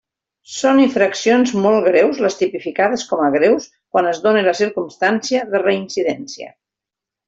Són infraccions molt greus les tipificades com a greus quan es doni la circumstància de reincidència.